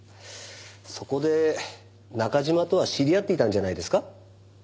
そこで中嶋とは知り合っていたんじゃないですか？